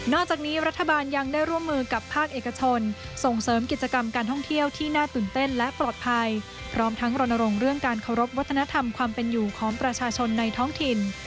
จากนี้รัฐบาลยังได้ร่วมมือกับภาคเอกชนส่งเสริมกิจกรรมการท่องเที่ยวที่น่าตื่นเต้นและปลอดภัยพร้อมทั้งรณรงค์เรื่องการเคารพวัฒนธรรมความเป็นอยู่ของประชาชนในท้องถิ่น